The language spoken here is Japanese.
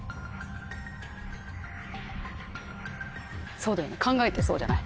そうだよね考えてそうじゃない？